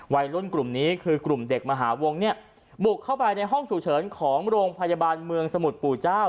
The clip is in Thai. วัยรุ่นกลุ่มนี้คือกลุ่มเด็กมหาวงเนี่ยบุกเข้าไปในห้องฉุกเฉินของโรงพยาบาลเมืองสมุทรปู่เจ้า